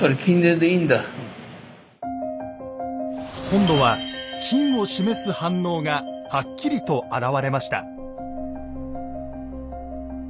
今度は金を示す反応がはっきりと現れました。